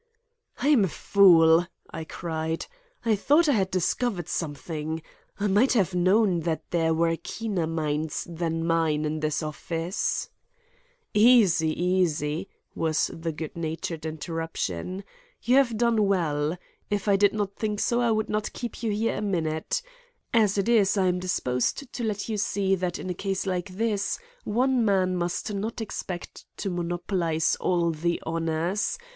"I am a fool," I cried. "I thought I had discovered something. I might have known that there were keener minds than mine in this office—" "Easy! easy!" was the good natured interruption. "You have done well. If I did not think so, I would not keep you here a minute. As it is, I am disposed to let you see that in a case like this, one man must not expect to monopolize all the honors.